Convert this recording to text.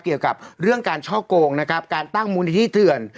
เกี่ยวกับเรื่องการช่อโกงนะครับการตั้งมูลนิธิเถื่อน